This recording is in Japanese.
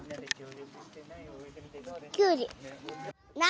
きゅうり。